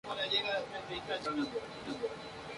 Sus tierras ocuparon parte de Vicente López y de La Lucila.